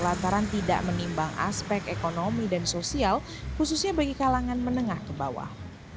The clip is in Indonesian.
lantaran tidak menimbang aspek ekonomi dan sosial khususnya bagi kalangan menengah ke bawah